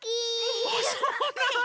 あそうなの！